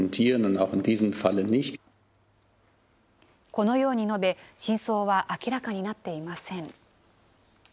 このように述べ、真相は明らかになっていません。